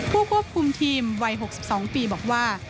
ผู้ควบคุมทีมวัย๖๒ปีบอกว่า